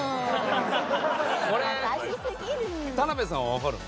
これ田辺さんはわかるの？